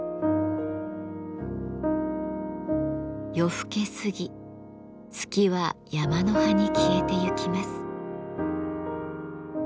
夜更け過ぎ月は山の端に消えてゆきます。